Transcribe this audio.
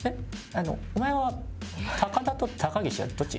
お前は高田と高岸はどっち？